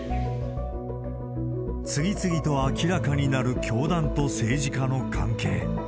次々と明らかになる教団と政治家の関係。